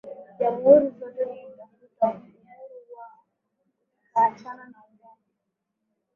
jamhuri zote zilitafuta uhuru wao zikaachana na Umoja